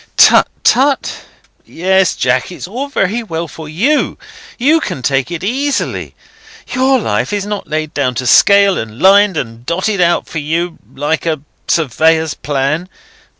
"Tut, tut? Yes, Jack, it's all very well for you. You can take it easily. Your life is not laid down to scale, and lined and dotted out for you, like a surveyor's plan.